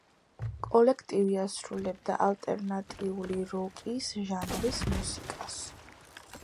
კოლექტივი ასრულებდა ალტერნატიული როკის ჟანრის მუსიკას.